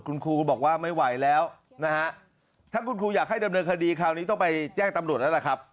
คุณครูบอกว่าไม่ไหวแล้วนะฮะถ้าคุณครูอยากให้ดำเนินคดีคราวนี้ต้องไปแจ้งตำรวจแล้วล่ะครับ